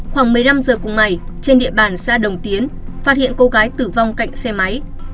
khoảng một mươi năm giờ cùng ngày trên địa bàn xã đồng tiến phát hiện cô gái tử vong cạnh xe máy